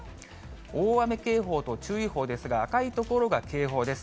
大雨警報と注意報ですが、赤い所が警報です。